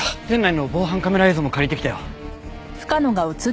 店内の防犯カメラ映像も借りてきたよ。